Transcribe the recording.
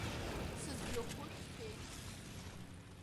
Сызҩахәы шәфеит!